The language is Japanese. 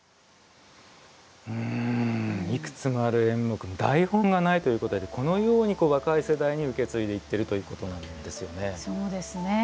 いくつもある演目台本がないということでこのように若い世代に受け継いでいっているということなんですよね。